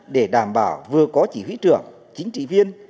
để đảm bảo vừa có chỉ huy trưởng chính trị viên